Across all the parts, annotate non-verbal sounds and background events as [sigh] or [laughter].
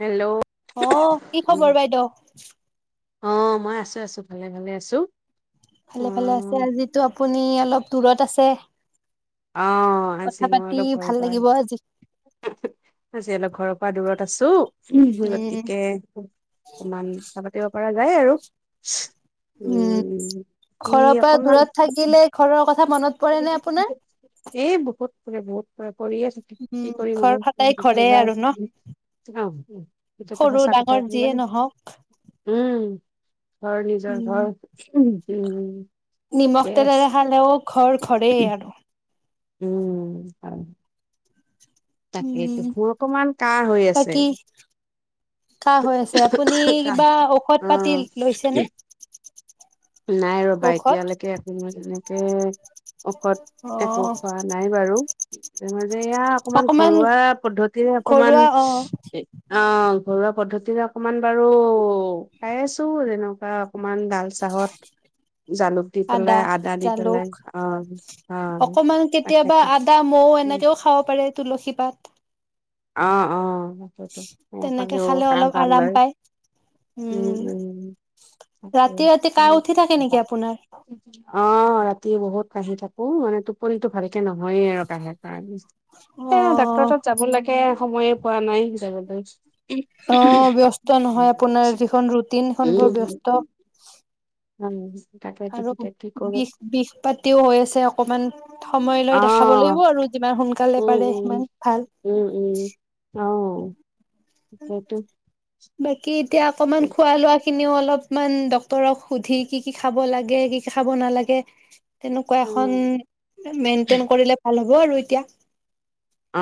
Hello অ কি উম খবৰ বাইদেউ অ মই আছো আছো ভালে ভালে আছো। অ ভালে ভালে আছে আজিটো আপুনি অলপ দূৰত আছে। আছে। অ আজি মই অলপ ঘৰ ভাল পা লাগিব আজি আজি অলপ ঘৰৰ পৰা। পৰা দূৰত আছো। উ উম গতিকে অকনমান পাতিব পৰা যায় যায় আৰু উম কি ঘৰৰ পৰা অকমান দূৰত থাকিলে ঘৰৰ কথা। কথা মনত পৰে নে আপোনাৰ? এই বহুত পৰে। পৰিয়ে থাকে। উম কি কৰিম ঘৰ আৰু সদায় ঘৰে আৰু ন আহ স সৰু সঁচা ডাঙৰ কথায় যিয়ে নহওক উম [unintelligible] ঘৰ নিজৰ উম ঘৰ হ উম ঠিকে আছি। ঘৰে আৰু উম তাকেতো, উম মোৰ অকমান কাহ হৈ আছে বাকী কাহ হৈ আছে আপুনি ক কিবা আহ উ [unintelligible] নাই ৰবা এতিয়ালৈকে একো মই তেনেকে ঔষধ অ একো খোৱা নাই বাৰু। এ [inaudible] এয়া অকমান ঘৰুৱা পদ্ধতিৰে অকমান ঘৰুৱা অ অ ঘৰুৱা পদ্ধতিৰে অকনমান বাৰু খাই আছো তেনেকুৱা অকনমান ডাল চাহত জালুক দি আদা পেলাই, দি জালুক পেলাই অ' অ' অকমান কেতিয়াবা তাকেটো আদা মৌ এনেকেও খাব পাৰে তুলসী পাত অ অ তেনেকে ফালেও খালে কাঁহ অলপ ভাল আৰাম হয় পায় উম উম ৰাতি ৰাতি কাহ উঠি থাকে নেকি আপোনাৰ অ ৰাতি বহুত কাঁহি থাকো মানে টোপনিটো ভালকে নহয়ে আৰু কাঁহে। এ অ ডাক্তৰ ওচৰত যাব লাগে। সময়ে পোৱা নাই যাবলৈ অ ব্যস্ত নহয় আপোনাৰ যিখন ৰুটিন সেইখন বৰ ব্যস্ত উম আৰু বিষ বিষ পাতিও হৈ আছে অকমান সময় লৈ দেখাব অ', লাগিব আৰু যিমান সোনকালে উম, পাৰে উম, সিমান ভাল। উম, উম। অ', সেইটো বাকী এতিয়া অকণমান খোৱা লোৱা খিনিও অল অলপমান ডক্তৰক সুধি কি কি খাব লাগে কি কি খাব নালাগে। তেনেকুৱা এখন উম। মেইনটেইন কৰিলে ভাল হ'ব। হব আৰু এতিয়া। অ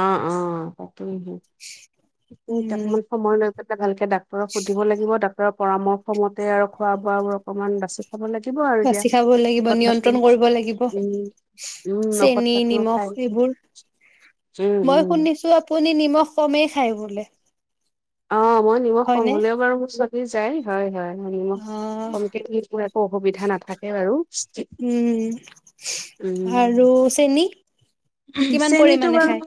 অ থাইং কিউ উম সময় লৈ এটা ডাল ডাক্তৰক সুধিব লাগিব ডাক্তৰক পৰামৰ্শ মতে আৰু খোৱা বোৱা বোৰ অকণমান বাছি খাব লাগিব আৰু এতিয়া বাচি খাব লাগিব নিয়ন্ত্ৰণ কৰিব লাগিব উম নখত চেনি পাতোও নিমখ খাই এইবোৰ উম, মই উম, শুনিছো আপুনি নিমখ কমেই খায় বোলে। অ মই নিমখ কম হয়নে হলেও বাৰু মোৰ চ যাই হয় হয় অ কমতি দিলে একো অসুবিধা নাথাকে বাৰু উ উম আৰু চেনি কিমান চেনীটো পৰিমাণে বাৰু খায়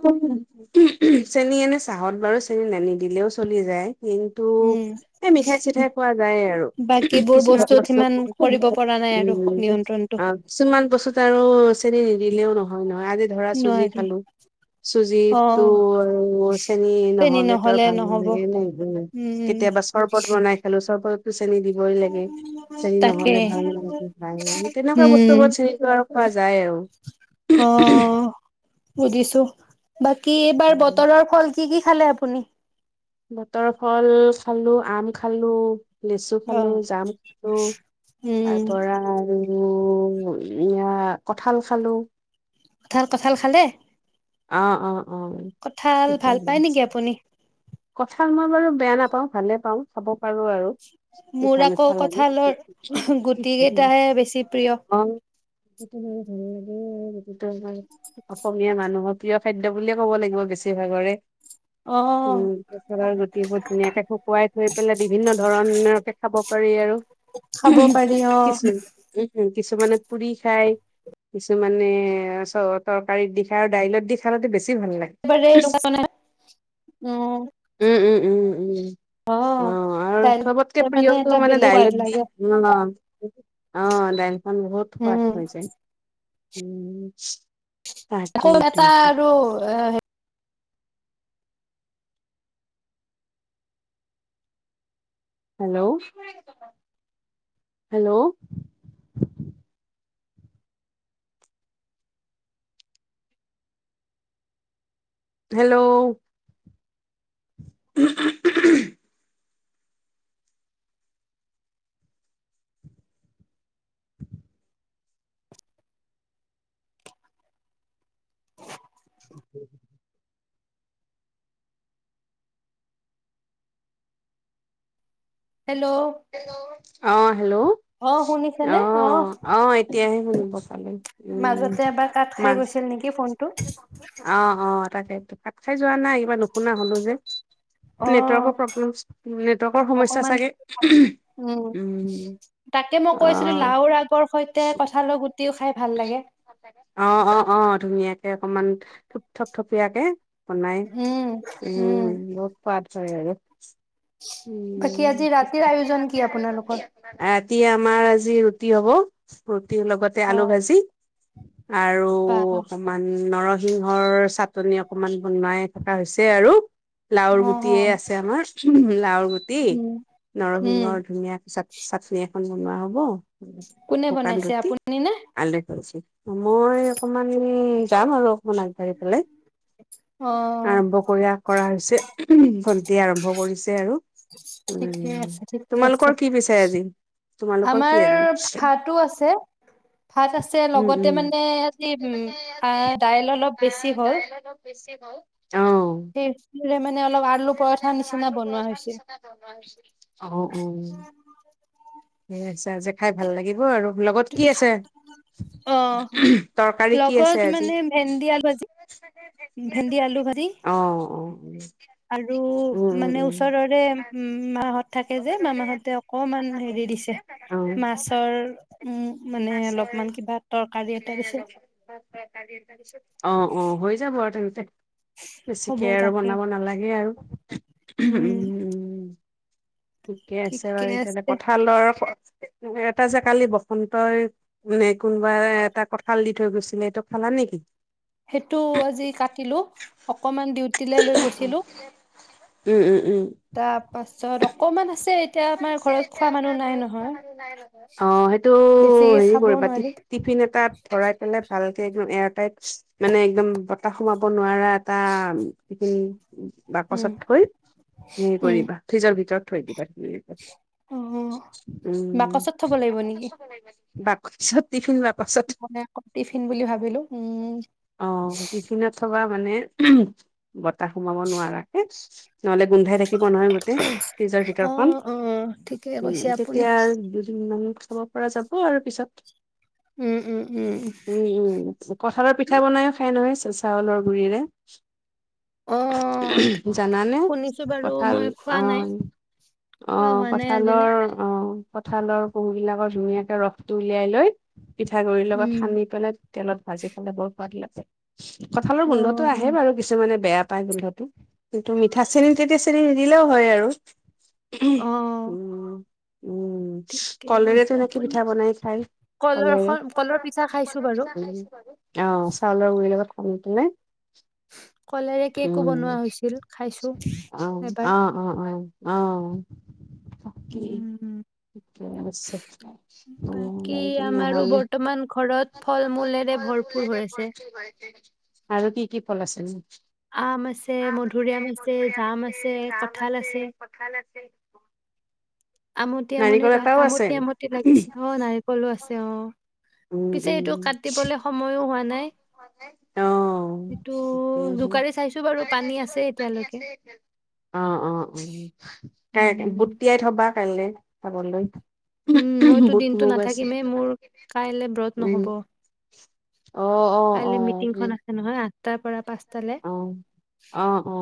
চেনী এনে চাহত বাৰু চেনী, নান নিদিলেও চলি যায় কিন্তু উম এই মিঠাই চিঠাই খোৱা যায় আৰু বাকীবোৰ কিছুমান বস্তুত সিমান উ কৰিব পৰা নাই আৰু নিয়ন্ত্ৰণটো কিছুমান বস্তুত আৰু নিদিলেও নহয় নহয় আজি ধৰা চুজি নোৱাৰি খালো অ চুজিতো আৰু চেনি চেনি নহলে ত ভাল নহব নালাগে ন খাবলে উম কেতিয়াবা চৰবত বনাই খালো চৰবত চেনী দিবই লাগে চেনী তাকে নহলে ভাল নালাগে খাই তেনেকুৱা বস্তু উম বৰ চেনীটো আৰু মাজায় আৰু অ বুজিছোঁ বাকী এইবাৰ বতৰৰ ফল কি কি? খালে আপুনি? বতৰ ফল খালো আম খালো লেচু অ খালো জামু খালো উম তাৰ পৰা উ এয়া কঠাল খালো কঁঠাল কঁঠাল খালে? অ অ অ কঁঠাল ভাল পায় নেকি আপুনি? কথা মই বাৰু বেয়া নাপাওঁ ভালে পাওঁ খাব পাৰো আৰু মোৰ পিঠা আকৌ মিঠা লাগি কঁঠালৰ গুটি কেইটাহে বেছি প্ৰিয়। অ তোমাৰ ভাল লাগে আৰু অসমীয়া মানুহত প্ৰিয় খাদ্য বুলিয়ে ক'ব লাগিব বেছিভাগৰে উ অ', গছলৰ গুটিবোৰ ধুনীয়াকে শুকুৱাই থৈ পেলাই বিভিন্ন ধৰণকে খাব পাৰি আৰু খাব পাৰি অ'। কিছুমান উ কিছুমানে পুৰি খায় কিছুমানে চ তৰকাৰিতত দি খায় আৰু দাইলত দি খালতে বেছি ভাল লাগে একেবাৰে এনেকুৱা মানে উম, উম উম উম উম অ', আহ আৰু দাইল চবতকে প্ৰিয়টো এটা মানে বেলেগ সোৱাদ দাইলত দি লাগে। উ আহ দাইলখন বহুত সোৱাদ উম, হৈ যায় উম আকৌ তাকেইটো এটা আৰু এ হে hello hello hello [unintelligible] [unintelligible] hello hello অ হেল্ল' অ অ', শুনিছেনে? অ এতিয়াহে শুনিব পালো উ মাজতে এবাৰ কাট ম খাই গৈছিল নেকি ফোনটো। অ অ তাকে ত কাঠ খাই যো যোৱা নাই কিবা নুশুনা হলো যে অ', নেটৱৰ্কৰ প্ৰব্লেম নেটৱৰ্কৰ সমস্যা অকমান চাগে। উম তাকে মই অ কৈছিলো লাওৰ আগৰ সৈতে কথালৈ গ অ অ অ ধুনীয়া অকমান থপ থপিয়াকে বনাই উম, উম লগত পাত আৰু বাকী উম আজি ৰাতিৰ আয়োজন কি আপোনালোকৰ? [unintelligible] এতিয়া আমাৰ আজি ৰুটি হ'ব। লগতে অ আলু ভাজি। আৰু বা অকমান নৰদ। সিংহৰ চাটনি অকমান বনোৱাই থকা হৈছে আৰু। লাওৰ গুটিয়ে উম আছে আমাৰ ৰ গুটি উম নৰসিংহৰ ধুনীয়া পিছত চাটনি [unintelligible] বনোৱা হ'ব। কোনে শকান বনাইছে ৰুতি আপুনি নে? [unintelligible] কৰিছে। মই অকমান যাম আৰু। আগবাঢ়ি পেলাই অ আৰম্ভ কৰি কৰা হৈছে [unintelligible] ভণ্টি আৰম্ভ কৰিছে। আৰু। ঠিকেই উম আছে ঠিকে আছে। তোমালোকৰ কি পিছে আজি তোমালোকৰ কি আমাৰ আজি ভাতো আছে, ভাত আছে উম লগতে উম মানে আজি দাইল অলপ বেছি হল। হল। সেইৰে মানে অলপ আলু পৰঠা নিচিনা বনোৱা হৈছে। [unintelligible] অ অ সেই আছে আজ খাই ভাল লাগিব আৰু। লগত কি আছে? অ [unintelligible] তৰকাৰী কি আছে লগত আজি? মানে ভেন্দি আলু ভাজি ভেন্দি আলু ভাজি [inaudible] অ অ উম উ উম ম [inaudible] থাকে যে মামাহঁতে অকমান হেৰি দিছে মাছৰ উম মানে [inaudible] অলপমান কিবা তৰকাৰী এটা দিছে অ অ হৈ যাব আৰু তাৰিছত ত হ'ব বেছিকে আৰু তাকে বনাব নালাগে আৰু। উম উ ঠিকে আছে বাৰু এতিয়ালে কঁঠালৰ এটা যে কালি বসন্তই মে কোনোবা এটা কঁঠাল দি থৈ গৈছিলে এইটো খালা নেকি? সেইটো আজি কাটিলো, অকমান ডিউটিলে লৈ উম গৈছিলো। উম উম তাৰপাছত কমান আছে। এতিয়া অ' আমাৰ ঘৰত খোৱা মানুহ নাই নহয় সেইটো বেছিকে হেৰি খাবও কৰিবা, নোৱাৰি টিফিন এটাত ভৰাই পেলাই ভাল একদম এৰাটাইট, মানে একদম বতাহ সোমাব নোৱাৰা এটা টিফিন উম বাকচত থৈ হেৰি উম কৰিবা ফ্ৰিজৰ ভিতৰত থৈ দিবা [unintelligible] অ উম। বাকচত থব লাগিব নেকি বাকচত টিফিন বাকচত মই আকৌ টিফিন বুলি ভাবিলো, উম। অ টিফিনত থবা মানে, তা সোমাব নোৱাৰাকে নহ'লে গোন্ধাই থাকিব নহয় গোটেই, ফ্ৰিজৰ অ ভিতৰখন অ ঠিকে উম কৈছে আপুনি তেতিয়া দুদিন সিমান খাব পৰা যাব আৰু, পিছত উম উম উম উম, কঁঠালৰ পিঠা বনাইও খাই নহয়! চাউলৰ গুৰিৰে অ জানানে শুনিছো বাৰু কঁঠাল মই খোৱা আ নাই খোৱা অ' হোৱা নাই আজিলে কঁঠালৰ, অ'। অ' কঁঠালৰ পহোবিলাকৰ ধুনীয়াকে ৰসটো উলিয়াই লৈ পিঠাগুড়িৰ লগত উম সানি পেলাই তেলত ভাজি খালে বৰ সোৱাদ লাগে। [inaudible] কঁঠালৰ গোন্ধতো আহে অ', বাৰু কিছুমানে বেয়া পাই গোন্ধটো, কিন্তু মিঠা-চেনি তেতিয়া চেনি নিদিলেও হয় আৰু। অ', উম। উম ঠিকেই কলেৰে কৈছে তেনেকে আপুনি। পিঠা বনাই খায়, কলেৰে কলৰখন কলৰ পিঠা খাইছো বাৰু অ' চাউলৰ গুৰি লগত [unintelligible] পোনে কলেৰে কেকো উম, বনোৱা হৈছিল খাইছো অ' এবাৰ। অ' অ' অ'। অ'। উম। [unintelligible] বাকী আমাৰো বৰ্তমান ঘৰত ফল মূলেৰে ভৰপূৰ হৈ আছে। আৰু কি কি ফল আছিল? আম আছে মধুুৰীআম আছে জাম আছে কঁঠাল আছে আমতি আমনি নাৰিকল এটাও আছে। আমতি আমতি লাগিছে অ নাৰিকল উম উম কাটিবলে সময়ো হোৱা নাই। অহ অ এইটো অ জোকাৰি চাইছো বাৰু অ পানী আছে এতিয়ালৈকে ত গুটি তিয়াই উম। থবা ভালে খাবলৈ উম মইতো বুট দিনতো মুগ আছে। নাথাকিমেই মোৰ কাইলৈ ব্ৰত নহ'ব অহ অ অ তাৰ পৰা পাঁচ অহ অহ অ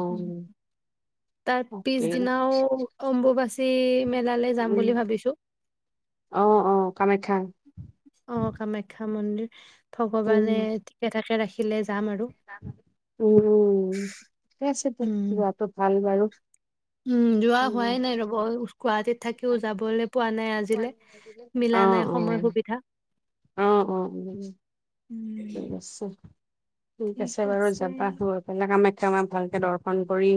তাত তাকে, পিছদিনাও কম টো বাছি মেলালে যাম বুলি উম, ভাবিছো অ', অ', কামাখ্যা, অ কামাখ্যা মন্দিৰ [unintelligible] উ ঠিকে থাকে ৰাখিলে যাম আৰু উম ঠিক আছে দে উম, যোৱাটো ভাল বাৰু উম যোৱা উম, হোৱাই নাই ৰব গুৱাহাটীত থাকিও যাবলৈ পোৱা নাই আজিলে অ', মিলা নাই সময় অ', সুবিধা অ', অ', ঠিক উম, আছে ঠিক আছে বাৰু যাবা গৈ পেলাই কামাখ্যা মাক ভালকে দৰ্শন ন কৰি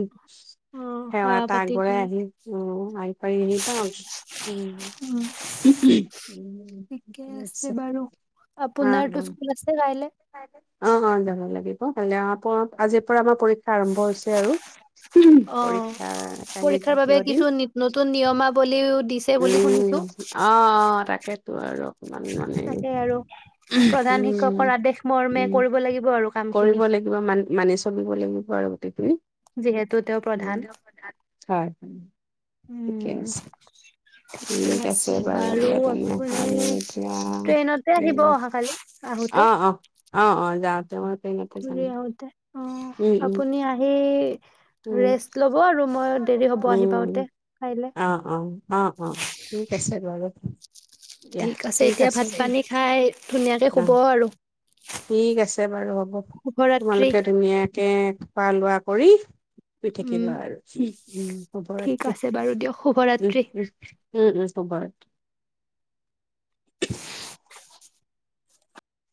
অ', সেৱা এটা পাতি আগবঢ়াই কৰি আহি উ আহি পি আহি পাও উম, ঠিকে আছে বাৰু অ আপোনাৰতো অ স্কুল আছে কাইলে অ হয় যাব লাগিব হলেও আক আজিৰ পৰা আমাৰ পৰীক্ষা আৰম্ভ হৈছে আৰু অ', পৰীক্ষা কাইলৈ পৰীক্ষাৰ বাবে দ্বিতীয় কিছু দিন নি নতুন নিয়মাৱলীও দিছে বুলি উম শুনিছো। অ তাকেইতো আৰু অকমান মানে তাকে আৰু উ প্ৰধান শিক্ষকৰ আদেশ মৰ্মে উ কৰিব লাগিব আৰু কাম খিনি কৰিব লাগিব মান মানি চন লে বাৰগুটিতি যিহেতু তেওঁ প্ৰধান হয় হয় ঠিকে আছে ঠিকে ঠিক আছে বাৰু দিয়া তেনেহ'লে আপুনি এতিয়া ট্ৰেইনতে আহিব ট্ৰেইনত অহাকালি আহোতে অ', অ', অ অ যাওঁতে মই ট্ৰেইনতে যাম। ঘূৰি আহোঁতে। উম, উম, অ'আপুনি আহি উম। ৰেষ্ট ল'ব আৰু মই দেৰি হ'ব আহি উম, পাওতে কাইলে। অ', উ [unintelligible] ঠিক আছে এতিয়া ভাত-পানী খাই ধুনীয়াকে শুব অ', আৰু শুভৰাত্ৰি। ধুনিয়া। খোৱা-লোৱা কৰি। পঠিব উম, উ শৱৰাত্ৰি ঠিক আছে উম, বাৰু দিয়ক উম। শুভৰাত্ৰি। উম, উম শুভৰাত্ৰী। [unintelligible]